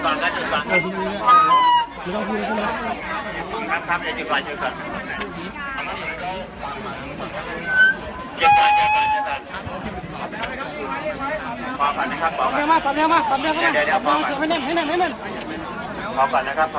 ก็ไม่มีใครกลับมาเมื่อเวลาอาทิตย์เกิดขึ้น